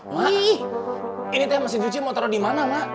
mak ini teh masih nyuci mau taruh di mana mak